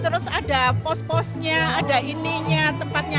terus ada pos posnya ada ininya tempatnya